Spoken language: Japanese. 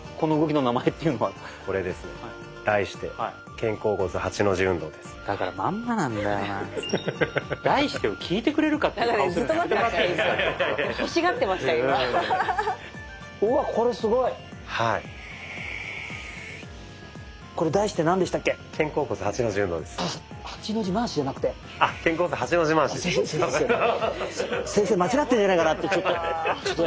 先生間違ってんじゃないかなってちょっと気になってたから。